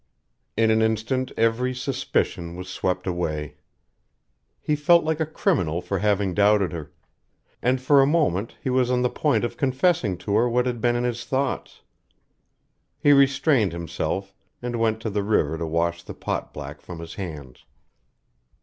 In an instant every suspicion was swept away. He felt like a criminal for having doubted her; and for a moment he was on the point of confessing to her what had been in his thoughts. He restrained himself, and went to the river to wash the pot black from his hands.